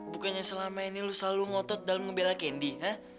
bukannya selama ini lo selalu ngotot dalam ngebela candy